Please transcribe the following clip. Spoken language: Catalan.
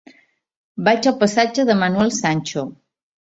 Vaig al passatge de Manuel Sancho.